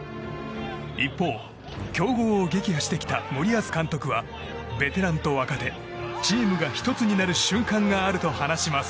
一方、強豪を撃破してきた森保監督は、ベテランと若手チームが１つになる瞬間があると話します。